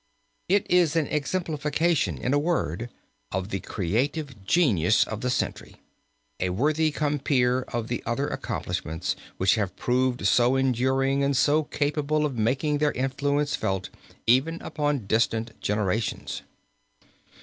It is an exemplification, in a word, of the creative genius of the century, a worthy compeer of the other accomplishments which have proved so enduring and so capable of making their influence felt even upon distant generations.